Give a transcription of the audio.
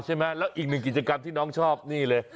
ใช่ไหมแล้วอีกหนึ่งกิจกรรมที่น้องชอบนี่เลย